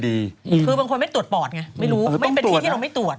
คือบางคนไม่ตรวจปอดไงไม่รู้ไม่เป็นที่ที่เราไม่ตรวจ